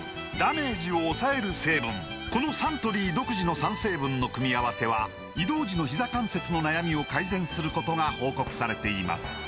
このサントリー独自の３成分の組み合わせは移動時のひざ関節の悩みを改善することが報告されています